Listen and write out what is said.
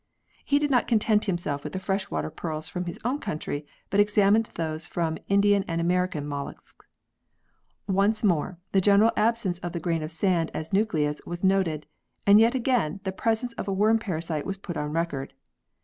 He did not content himself with the fresh water pearls from his own country but examined those from Indian and American molluscs. Once more, the general absence of the grain of sand as nucleus was noted, and yet again the presence of a worm parasite was put on record.